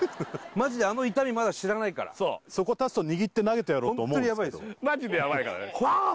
マジであの痛みまだ知らないからそこ立つと握って投げてやろうと思うんですけどマジでヤバいからねあー！